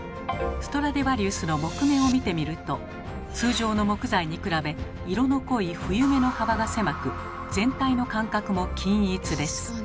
ストラディヴァリウスの木目を見てみると通常の木材に比べ色の濃い冬目の幅が狭く全体の間隔も均一です。